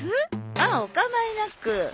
ああおかまいなく。